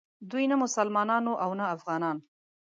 دوی نه مسلمانان وو او نه افغانان.